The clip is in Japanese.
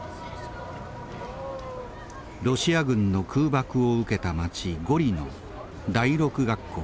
ロシア軍の空爆を受けた町ゴリの第六学校。